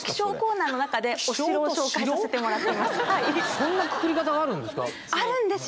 そんなくくり方があるんですか？